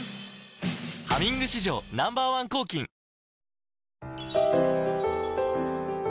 「ハミング」史上Ｎｏ．１抗菌あれ？